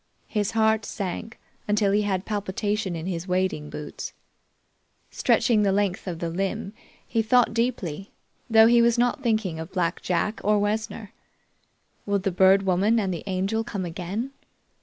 His heart sank until he had palpitation in his wading boots. Stretching the length of the limb, he thought deeply, though he was not thinking of Black Jack or Wessner. Would the Bird Woman and the Angel come again?